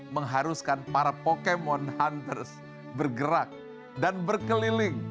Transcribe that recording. mengharuskan para pokemon hunters bergerak dan berkeliling